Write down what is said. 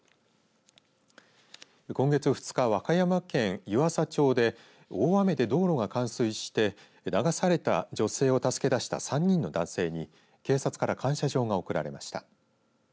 今月２日、和歌山県湯浅町で大雨で道路が冠水して流された女性を助け出した３人の男性に警察から感謝状が贈られました。